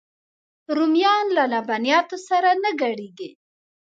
رومیان له لبنیاتو سره نه ګډېږي